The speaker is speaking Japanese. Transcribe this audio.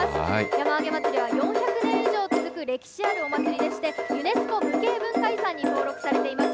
山あげ祭は４００年以上続く歴史あるお祭りでして、ユネスコの無形文化遺産に登録されています。